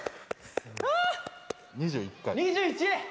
２１？